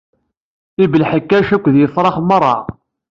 Ibelḥekkac akked yefrax merra.